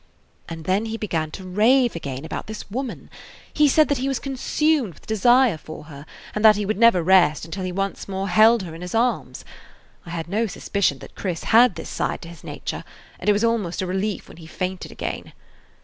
And then he began to rave again about this woman. He said that he was consumed with desire for her and that he would never rest until he once more held her in his arms. I had no suspicion that Chris had this side to his nature, and it was almost a relief when he fainted again.